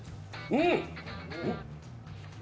うん？